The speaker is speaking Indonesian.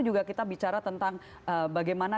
juga kita bicara tentang bagaimana